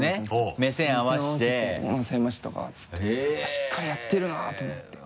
しっかりやってるなと思って。